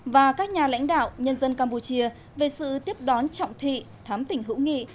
và các nhà lãnh đạo nhân dân campuchia về sự tiếp đón trọng thị thám tỉnh hữu nghị